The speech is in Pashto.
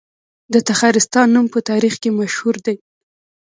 د تخارستان نوم په تاریخ کې مشهور دی